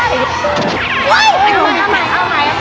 เยี่ยมมาก